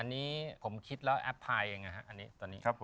อันนี้ผมคิดแล้วแอปไพล์เองนะฮะ